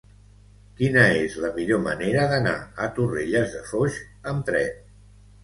Quina és la millor manera d'anar a Torrelles de Foix amb tren?